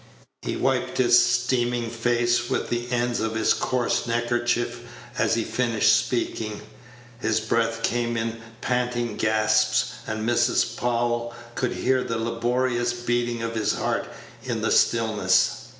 He wiped his streaming face with the ends of his coarse neckerchief as he finished speaking. His breath came in panting gasps, and Mrs. Powell could hear the laborious beating of his heart in the stillness.